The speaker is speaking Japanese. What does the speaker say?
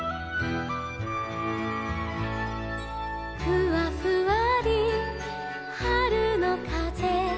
「ふわふわりはるのかぜ」